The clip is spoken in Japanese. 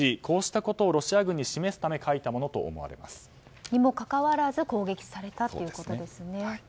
こうしたことをロシア軍に示すためにもかかわらず攻撃されたということですね。